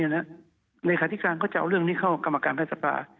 ให้ก็จะเอาเรื่องนี้เข้ากรรมการแพทยศพา